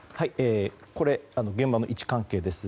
現場の位置関係です。